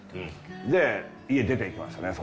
で家出ていきましたね